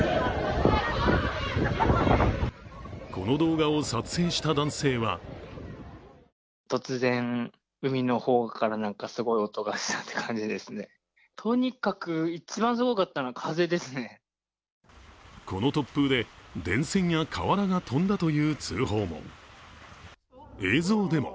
この動画を撮影した男性はこの突風で電線や瓦が飛んだという通報も。